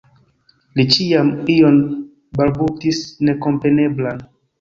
Li ĉiam ion balbutis nekompreneblan.